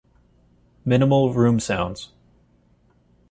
Minimal room sounds.